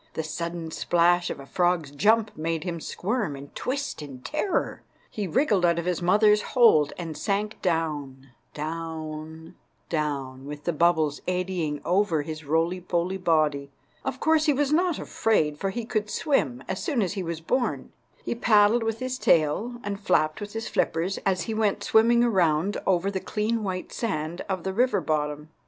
The sudden splash of a frog's jump made him squirm and twist in terror. He wriggled out of his mother's hold, and sank down, down, down, with the bubbles eddying over his roly poly body. Of course he was not afraid, for he could swim as soon as he was born. He paddled with his tail and flapped with his flippers as he went swimming around over the clean white sand of the river bottom.